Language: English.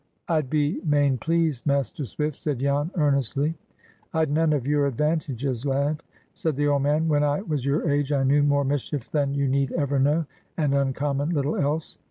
"I'd be main pleased, Master Swift," said Jan, earnestly. "I'd none of your advantages, lad," said the old man. "When I was your age, I knew more mischief than you need ever know, and uncommon little else.